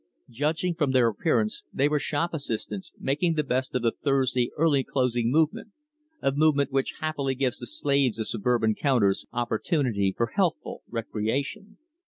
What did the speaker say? Judging from their appearance they were shop assistants making the best of the Thursday early closing movement a movement which happily gives the slaves of suburban counters opportunity for healthful recreation.